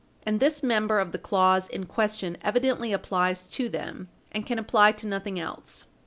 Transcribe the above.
And this member of the clause in question evidently applies to them, and can apply to nothing else.